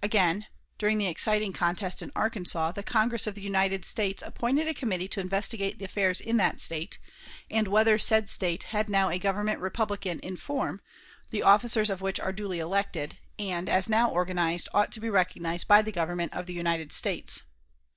Again, during the exciting contest in Arkansas, the Congress of the United States appointed a committee to investigate the affairs in that State, and "whether said State had now a government republican in form, the officers of which are duly elected, and, as now organized, ought to be recognized by the Government of the United States."